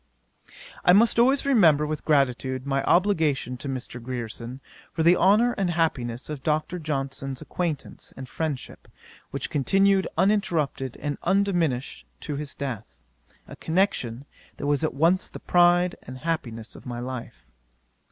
'I must always remember with gratitude my obligation to Mr. Grierson, for the honour and happiness of Dr. Johnson's acquaintance and friendship, which continued uninterrupted and undiminished to his death: a connection, that was at once the pride and happiness of my life.